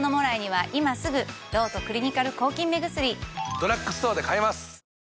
ドラッグストアで買えます！